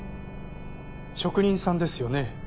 職人さんですよね。